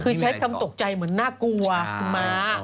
คือใช้คำตกใจเหมือนน่ากลัวคุณม้า